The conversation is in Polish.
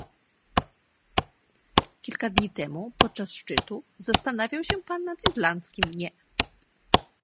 Kilka dni temu, podczas szczytu, zastanawiał się pan nad irlandzkim "nie"